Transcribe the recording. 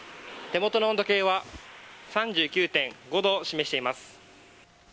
手元の温度計は３９．５度を示しています。